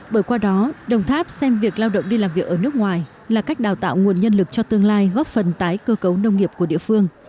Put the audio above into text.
bởi qua đó đồng tháp xem việc lao động đi làm việc ở nước ngoài là cách đào tạo nguồn nhân lực cho tương lai góp phần tái cơ cấu nông nghiệp của địa phương